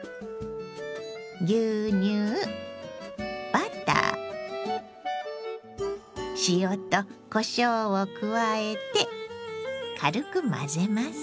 牛乳バター塩とこしょうを加えて軽く混ぜます。